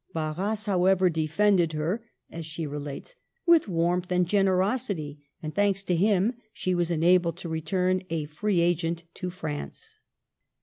Barras, however, defended her, as she relates, "with warmth and generosity, ,, and, thanks to him, she was enabled to return, a free agent, to France.